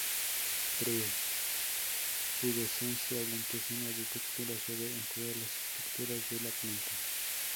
Pubescencia blanquecina de textura suave en todas las estructuras de la planta.